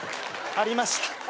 ありました。